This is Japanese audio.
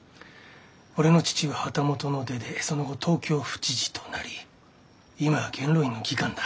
俺の父は旗本の出でその後東京府知事となり今は元老院の議官だ。